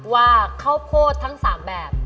ว่าข้าวโพดทั้ง๓แบบ